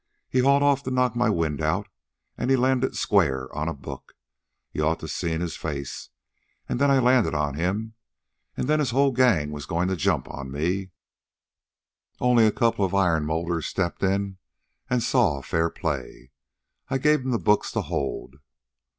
He hauled off to knock my wind out, an' he landed square on a book. You ought to seen his face. An' then I landed on him. An' then his whole gang was goin' to jump on me, only a couple of iron molders stepped in an' saw fair play. I gave 'em the books to hold."